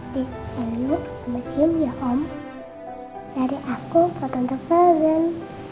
dari aku ke tante frozen